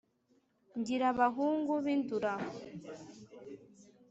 ngira abahungu b' indura,